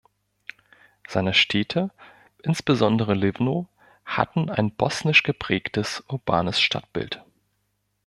Seine Städte, insbesondere Livno, hatten ein bosnisch-geprägtes urbanes Stadtbild.